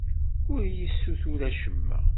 Ur iyi-ssutur acemma.